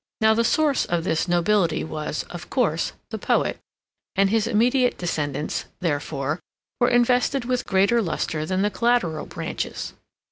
Now the source of this nobility was, of course, the poet, and his immediate descendants, therefore, were invested with greater luster than the collateral branches.